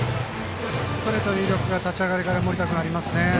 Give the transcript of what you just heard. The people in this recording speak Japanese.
ストレートの威力が立ち上がりからありますね。